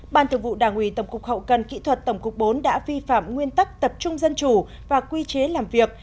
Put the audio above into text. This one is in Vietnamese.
ban thường vụ đảng ủy tổng cục hậu cần kỹ thuật tổng cục bốn đã vi phạm nguyên tắc tập trung dân chủ và quy chế làm việc